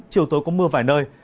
chiều tối có mưa vài nơi